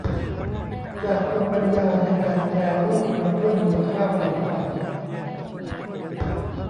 จากภูมิปัญญาในการแปรรูปมาเพิ่มมูลค่าผลิตภัณฑ์